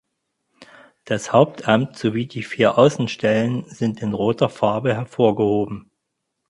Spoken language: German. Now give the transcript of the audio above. Das Hauptamt sowie die vier Außenstellen sind in roter Farbe hervorgehoben.